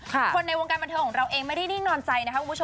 คนในวงการบรรเทอมของเราเองไม่ได้นิ่งนอนใจ